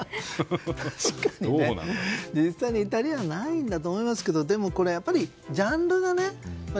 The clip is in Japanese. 確かに、実際にイタリアにはないんだと思いますけどでも、やっぱりジャンルがね。